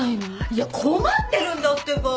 いや困ってるんだってば！